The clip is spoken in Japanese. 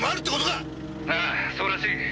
「ああそうらしい」